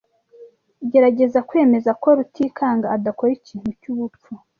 Gerageza kwemeza ko Rutikanga adakora ikintu cyubupfu.